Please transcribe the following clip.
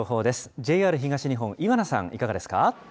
ＪＲ東日本、岩名さん、いかがですか。